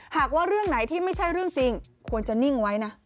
หากว่าเรื่องไหนที่ไม่ใช่เรื่องจริงควรจะนิ่งไว้นะ